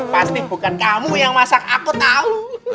pasti bukan kamu yang masak aku tahu